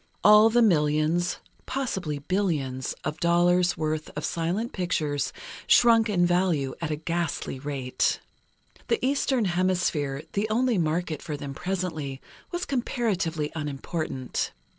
All the millions (possibly billions) of dollars' worth of silent pictures, shrunk in value at a ghastly rate. The Eastern Hemisphere, the only market for them presently, was comparatively unimportant.